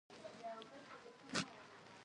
ما هغه ته وویل چې تا بم پروګرام کړی و